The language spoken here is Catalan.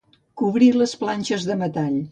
Cobrir de planxes de metall.